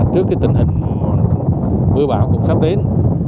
trước tình hình mưa bão cũng sắp đến